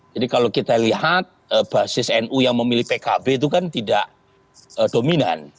jadi kalau kita lihat basis nu yang memilih pkb itu kan tidak dominan